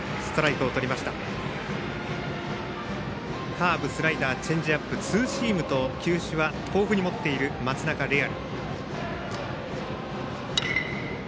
カーブ、スライダーチェンジアップとツーシームと球種は豊富に持っている松中怜或。